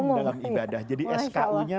dalam ibadah jadi sku nya